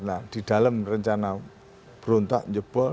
nah di dalam rencana berontak jebol